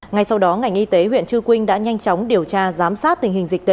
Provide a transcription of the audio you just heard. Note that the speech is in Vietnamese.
ngay sau đó ngành y tế huyện chư quynh đã nhanh chóng điều tra giám sát tình hình dịch tễ